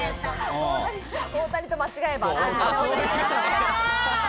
大谷と間違えば。